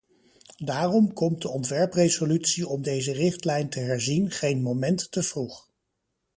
Daarom komt de ontwerpresolutie om deze richtlijn te herzien geen moment te vroeg.